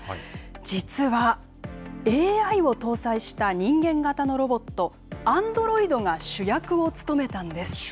実は、ＡＩを搭載した人間型のロボット、アンドロイドが主役を務めたんです。